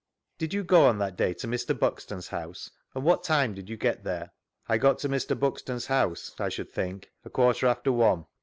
Did you go on that day to Mr. Buxton's house, and what time did you get there? I got to Mr. Buxton's house, I should think, a quarter after one.